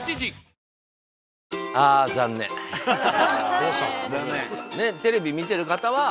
どうしたんすか？